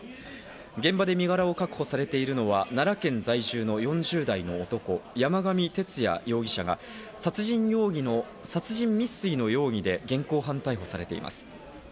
現場で身柄を確保されているのは奈良県在住の４０代の男・山上徹也容疑者が殺人未遂の容疑で現行犯逮捕されています。